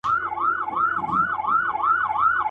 دیدن د بادو پیمانه ده.